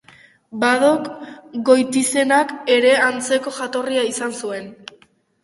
Badok goitizenak ere antzeko jatorria izan zuen.